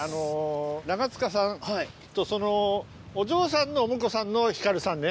長塚さんとそのお嬢さんのお婿さんの光さんね。